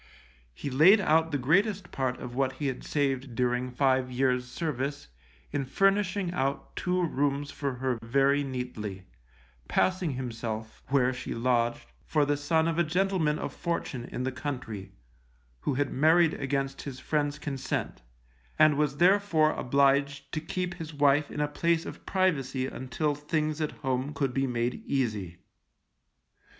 He laid out the greatest part of what he had saved during five years' service in furnishing out two rooms for her very neatly, passing himself, where she lodged, for the son of a gentleman of fortune in the country, who had married against his friends' consent, and was therefore obliged to keep his wife in a place of privacy until things at home could be made easy.